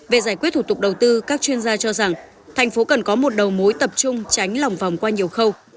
về giải quyết thủ tục đầu tư các chuyên gia cho rằng thành phố cần có một đầu mối tập trung tránh lòng vòng qua nhiều khâu